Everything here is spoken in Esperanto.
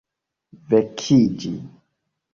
vekiĝi